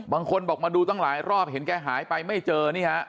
บางคนบอกมาดูตั้งหลายรอบเห็นแกหายไปไม่เจอนี่ฮะ